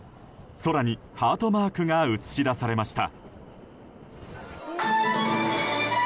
空に、ハートマークが映し出されました。